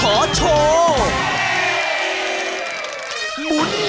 เฮ่น้องช้างแต่ละเชือกเนี่ย